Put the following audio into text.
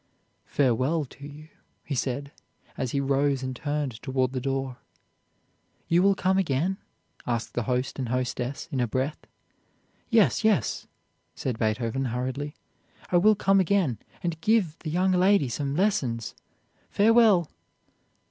'Farewell to you,' he said, as he rose and turned toward the door. 'You will come again?' asked the host and hostess in a breath. 'Yes, yes,' said Beethoven hurriedly, 'I will come again, and give the young lady some lessons. Farewell!'